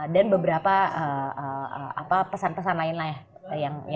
dan beberapa pesan pesan lain lah ya